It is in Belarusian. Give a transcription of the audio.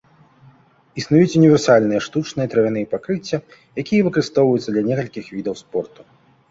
Існуюць універсальныя штучныя травяныя пакрыцця, якія выкарыстоўваюцца для некалькіх відаў спорту.